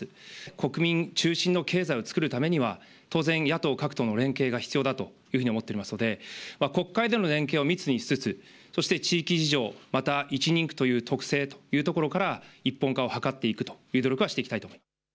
国民中心の経済をつくるためには、当然、野党各党の連携が必要だというふうに思っておりますので、国会での連携を密にしつつ、そして地域事情、また１人区という特性から、一本化を図っていくという努力はしていきたいと思います。